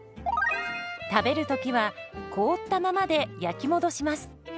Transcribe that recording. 食べる時は凍ったままで焼き戻します。